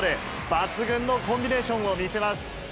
抜群のコンビネーションを見せます。